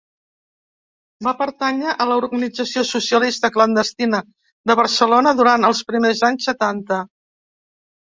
Va Pertànyer a l'organització socialista clandestina de Barcelona durant els primers anys setanta.